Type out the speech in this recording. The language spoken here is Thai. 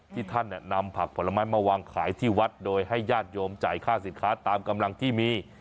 ที่ท่านนำผักผลไม้มาวางขายที่วัดโดยให้ญาติโยมจ่ายค่าสินค้าตามกำลังที่มี